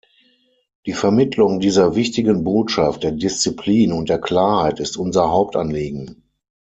Die Vermittlung dieser wichtigen Botschaft der Disziplin und der Klarheit ist unser Hauptanliegen.